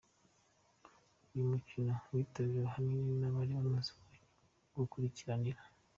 Uyu mukino witabiriwe ahanini nabari bamaze gukurikirana.